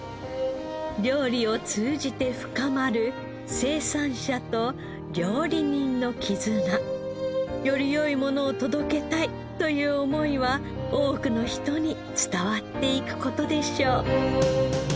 料理を通じて深まる生産者と料理人の絆。より良いものを届けたいという思いは多くの人に伝わっていく事でしょう。